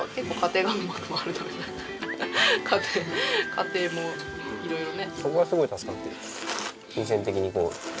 家庭もいろいろね。